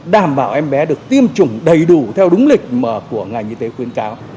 đảm bảo em bé được tiêm chủng đầy đủ theo đúng lịch mà của ngành y tế khuyến cáo